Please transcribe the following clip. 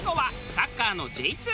サッカーのＪ２